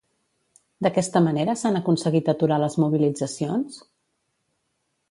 D'aquesta manera s'han aconseguit aturar les mobilitzacions?